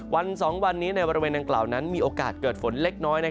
วัน๒วันนี้ในบริเวณดังกล่าวนั้นมีโอกาสเกิดฝนเล็กน้อย